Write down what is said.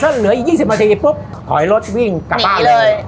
ถ้าเหลืออีก๒๐นาทีปุ๊บถอยรถวิ่งกลับบ้านเลย